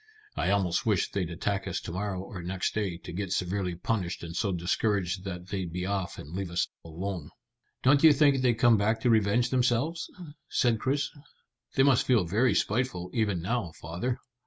I almost wish they'd attack us to morrow or next day, to get severely punished and so discouraged that they'd be off and leave us alone." "Don't you think they'd come back to revenge themselves?" said Chris. "They must feel very spiteful even now, father."